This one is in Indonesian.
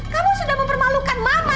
kamu sudah mempermalukan mama